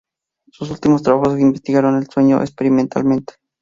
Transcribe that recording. Sus últimos trabajos investigaron el sueño experimentalmente.